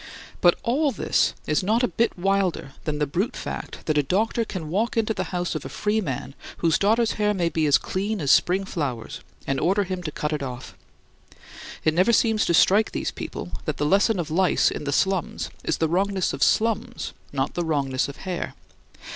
But all this is not a bit wilder than the brute fact that a doctor can walk into the house of a free man, whose daughter's hair may be as clean as spring flowers, and order him to cut it off. It never seems to strike these people that the lesson of lice in the slums is the wrongness of slums, not the wrongness of hair.